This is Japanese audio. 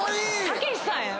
たけしさんやん。